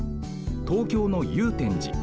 東京の祐天寺。